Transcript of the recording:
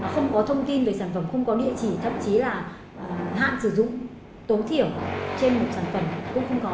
không có thông tin về sản phẩm không có địa chỉ thậm chí là hạn sử dụng tối thiểu trên một sản phẩm cũng không có